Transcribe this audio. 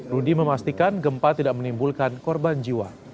rudy memastikan gempa tidak menimbulkan korban jiwa